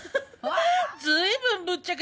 随分ぶっちゃけたわね。